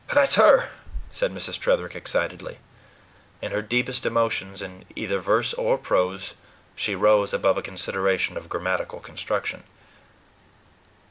"That's her," said Mrs. Tretherick excitedly. In her deepest emotions, in either verse or prose, she rose above a consideration of grammatical construction.